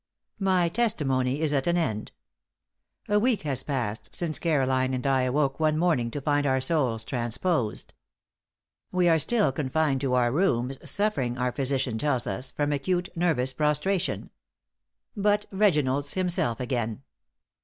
My testimony is at an end. A week has passed since Caroline and I awoke one morning to find our souls transposed. We are still confined to our rooms, suffering, our physician tells us, from acute nervous prostration. But "Richard's himself again!"